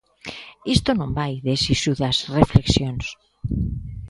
Isto non vai de sisudas reflexións.